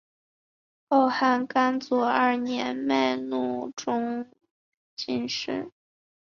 后汉干佑二年窦偁中进士。